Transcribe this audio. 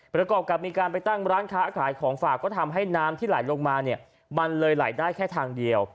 ประกอบกับมีการไปตั้งร้านค้าขายของฝากก็ทำให้น้ำที่ไหลลงมาเนี่ยมันเลยไหลได้แค่ทางเดียว